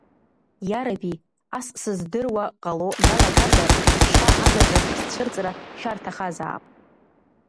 Иараби, ас сыздыруа ҟало иалагазар, шьҭа агаҿахь сцәырҵра шәарҭахазаап!